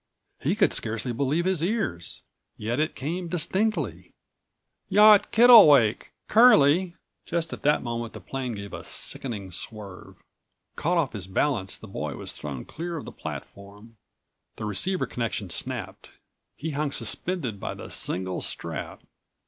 He could scarcely believe his ears. Yet it came distinctly: "Yacht Kittlewake, Curlie—" Just at that moment the plane gave a sickening swerve. Caught off his balance, the boy was thrown clear off the platform. The receiver connection snapped. He hung suspended by the single strap.